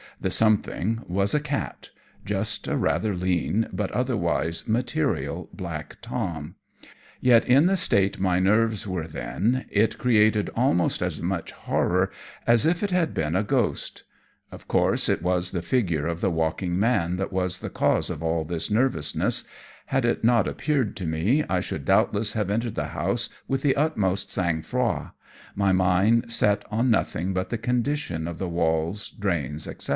The something was a cat, just a rather lean but otherwise material, black Tom; yet, in the state my nerves were then, it created almost as much horror as if it had been a ghost. Of course, it was the figure of the walking man that was the cause of all this nervousness; had it not appeared to me I should doubtless have entered the house with the utmost sang froid, my mind set on nothing but the condition of the walls, drains, etc.